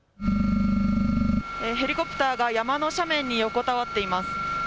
ヘリコプターが山の斜面に横たわっています。